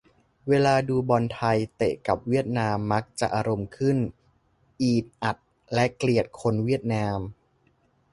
เวลาดู บอลไทย เตะกับเวียดนาม มักจะอารมณ์ขึ้น อีดอัด และเกลียดคนเวียดนาม